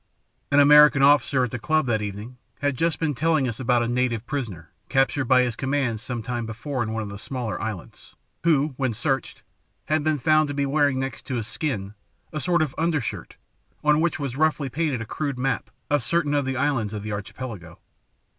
An American officer at the club that evening had just been telling us about a native prisoner captured by his command sometime before in one of the smaller islands, who, when searched, had been found to be wearing next his skin a sort of undershirt on which was roughly painted a crude map of certain of the islands of the archipelago.